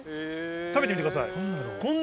食べてみてください。